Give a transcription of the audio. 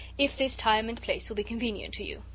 if this time and place will be convenient to you.